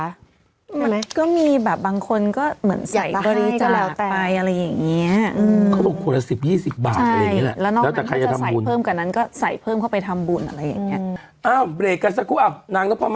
มันก็มีแบบบางคนก็เหมือนใส่ลอตเตอรี่ตลอดไปอะไรอย่างนี้